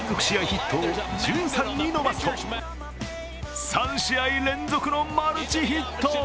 ヒットを１３に伸ばすと３試合連続のマルチヒット。